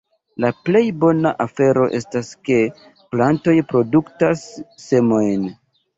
La plej bona afero estas, ke plantoj produktas semojn.